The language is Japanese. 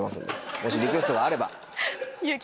もしリクエストがあれば。